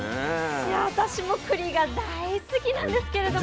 私もくりが大好きなんですけれども。